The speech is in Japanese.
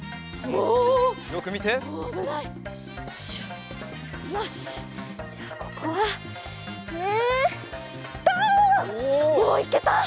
おお。おっいけた！